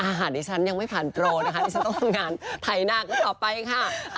อาหารฉันยังไม่ผ่านโตรนะคะฉันต้องงานไถหน้าก็ต่อไปค่ะ